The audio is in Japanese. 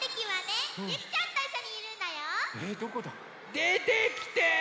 でてきて！